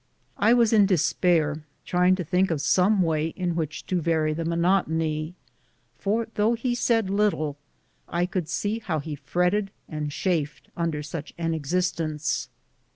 I was in despair trying to think of some way in which to vary the monotony ; for though he said little, I could see how he fretted and chafed under such an existence.